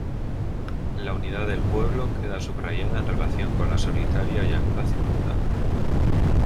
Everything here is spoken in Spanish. La unidad del pueblo queda subrayada en relación con la solitaria llanura circundante.